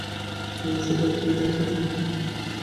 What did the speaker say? নিয়মসমূহ দ্বারা তিনি জগৎ পরিচালনা করিতেছেন।